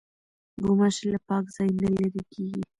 غوماشې له پاک ځای نه لیري کېږي.